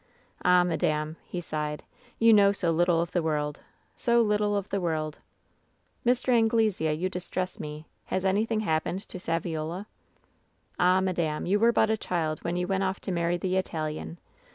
" 'Ah, madame !' he sighed. 'You know so little of the world ! So little of the world I' " 'Mr. Anglesea, you distress me. Has anything hap pened td Saviola V " 'Ah, madame, you were but a child when you went off to marry the Italian.